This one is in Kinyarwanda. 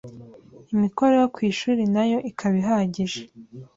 Imikoro yo kwishuri nayo ikaba ihagije.